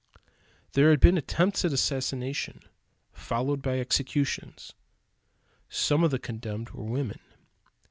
There had been attempts at assassination, followed by executions. Some of the condemned were women.